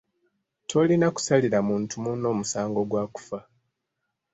Tolina kusalira muntu munno musango gwa kufa.